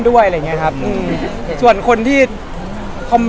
รู้จักในฐานะน้องไงครับ